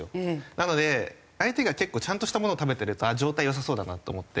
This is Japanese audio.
なので相手が結構ちゃんとしたものを食べてると状態良さそうだなと思って。